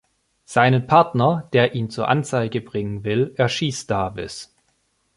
Seinen Partner, der ihn zur Anzeige bringen will, erschießt Davis.